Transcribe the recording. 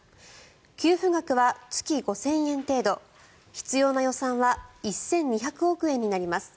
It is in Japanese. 給付額は月５０００円程度必要な予算は１２００億円になります。